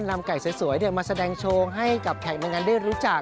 นำไก่สวยมาแสดงโชว์ให้กับแขกในงานได้รู้จัก